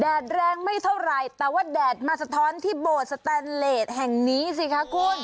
แรงไม่เท่าไหร่แต่ว่าแดดมาสะท้อนที่โบสถแตนเลสแห่งนี้สิคะคุณ